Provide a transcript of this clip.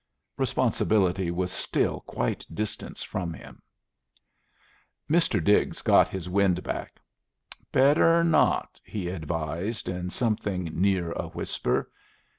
Responsibility was still quite distant from him. Mr. Diggs got his wind back. "Better not," he advised in something near a whisper.